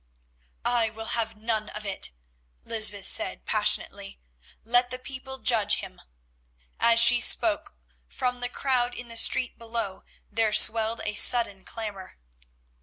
"I will have none of it," Lysbeth said passionately, "let the people judge him." As she spoke, from the crowd in the street below there swelled a sudden clamour.